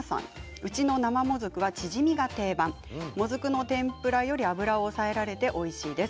うちの生もずくはチヂミが定番もずくの天ぷら油で油を抑えられておいしいです。